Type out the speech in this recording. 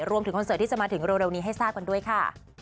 คอนเสิร์ตที่จะมาถึงเร็วนี้ให้ทราบกันด้วยค่ะ